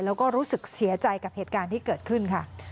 แล้วก็รู้สึกเสียใจกับเหตุการณ์ที่เกิดขึ้นค่ะ